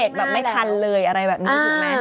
แล้วเบรกแบบไม่ทันเลยอะไรแบบนี้แม่นั่นแหละ